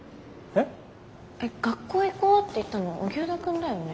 えっ学校行こうって言ったの荻生田くんだよね？